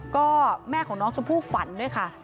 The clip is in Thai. ก็แม่ของน้องชมพู่ฝันด้วยค่ะ